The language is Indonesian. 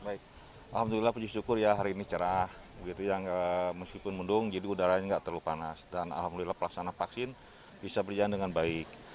baik alhamdulillah puji syukur ya hari ini cerah meskipun mendung jadi udaranya nggak terlalu panas dan alhamdulillah pelaksana vaksin bisa berjalan dengan baik